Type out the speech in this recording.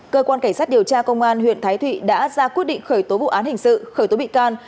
cơ quan cảnh sát điều tra công an huyện thái thụy đã ra quyết định khởi tố vụ án hình sự khởi tố bị can